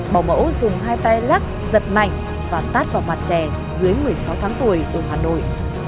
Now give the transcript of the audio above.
bảo mẫu dùng hai tay lắc giật mạnh và tát vào mặt trẻ dưới một mươi sáu tháng tuổi ở hà nội